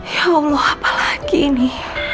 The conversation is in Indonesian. ya allah apa lagi ini